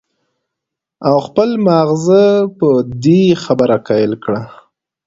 او خپل مازغۀ پۀ دې خبره قائل کړي